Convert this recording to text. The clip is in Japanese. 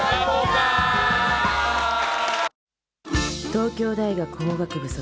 「東京大学法学部卒。